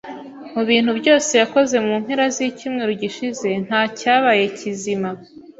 Mu bintu byose yakoze mu mpera zicyumweru gishize nta cyabaye kizima